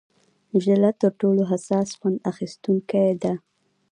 ژله تر ټولو حساس خوند اخیستونکې ده.